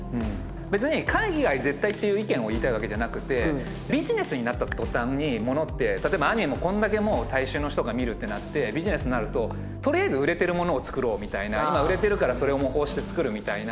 別に海外絶対っていう意見を言いたいわけじゃなくてビジネスになった途端にものって例えばアニメもこれだけ大衆の人が見るってなってビジネスになるととりあえず売れてるものを作ろうみたいな今売れてるからそれを模倣して作るみたいな。